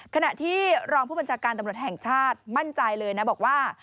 ขณะที่รองผู้บัญชาการตำรวจแห่งชาติมั่นใจเลยนะบอกว่า